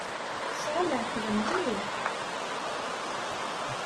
Tesɛa leɛqel mliḥ.